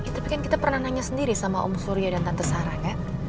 tapi kan kita pernah nanya sendiri sama om surya dan tante sarah ya